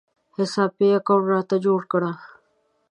حساب پې اکاونټ راته جوړ کړه